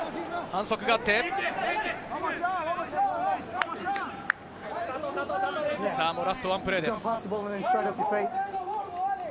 反則があって、ラストワンプレーです。